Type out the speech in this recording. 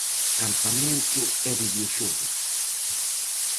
Campamento e videoxogos.